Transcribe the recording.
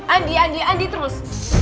andi andi andi terus